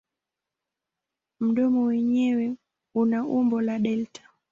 Mdomo wenyewe una umbo la delta.